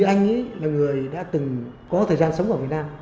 anh ấy là người đã từng có thời gian sống ở việt nam